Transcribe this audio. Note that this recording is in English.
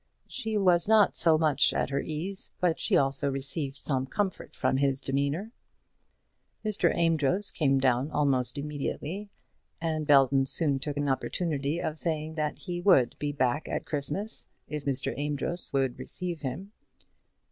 She was not so much at her ease, but she also received some comfort from his demeanour. Mr. Amedroz came down almost immediately, and Belton soon took an opportunity of saying that he would be back at Christmas if Mr. Amedroz would receive him.